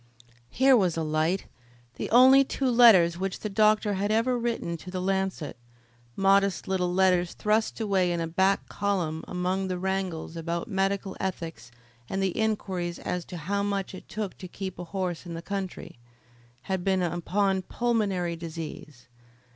Here was a light! The only two letters which the doctor had ever written to The Lancet modest little letters thrust away in a back column among the wrangles about medical ethics and the inquiries as to how much it took to keep a horse in the country had been upon pulmonary disease.